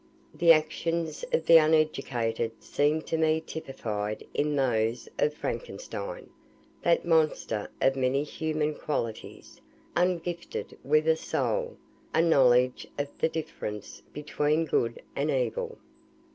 The actions of the uneducated seem to me typified in those of Frankenstein, that monster of many human qualities, ungifted with a soul, a knowledge of the difference between good and evil.